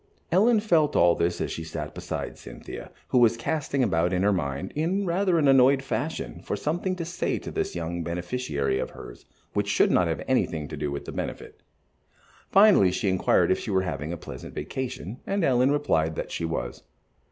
Ellen felt all this as she sat beside Cynthia, who was casting about in her mind, in rather an annoyed fashion, for something to say to this young beneficiary of hers which should not have anything to do with the benefit. Finally she inquired if she were having a pleasant vacation, and Ellen replied that she was.